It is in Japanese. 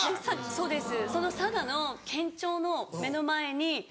そうです。